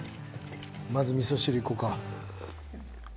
まずみそ汁いこうか。